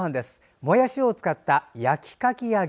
もやしを使った焼きかき揚げ。